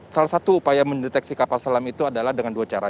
salah satu upaya mendeteksi kapal selam itu adalah dengan dua cara